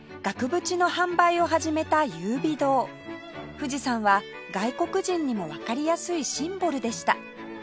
富士山は外国人にもわかりやすいシンボルでした